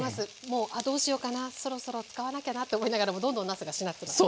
もうあどうしようかなそろそろ使わなきゃなと思いながらもどんどんなすがしなってくる。